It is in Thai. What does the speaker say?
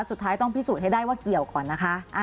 สุดท้ายต้องพิสูจน์ให้ได้ว่าเกี่ยวก่อนนะคะ